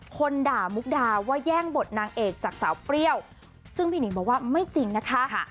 คนด่ามุกดาว่าแย่งบทนางเอกจากสาวเปรี้ยวซึ่งพี่หนิงบอกว่าไม่จริงนะคะ